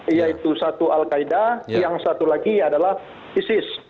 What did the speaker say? yaitu satu al qaeda yang satu lagi adalah isis